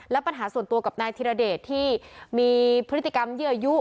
และปัญหาส่วนตัวกับนายธิรเดชที่มีพฤติกรรมเยื่อยุ